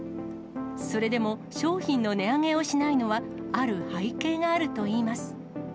それでも商品の値上げをしないのは、ある背景があるといいます。